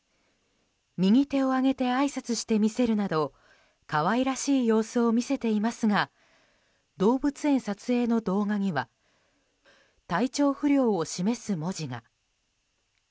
右手を上げてあいさつしてみせるなど可愛らしい様子を見せていますが動物園撮影の動画には体調不良を示す文字が。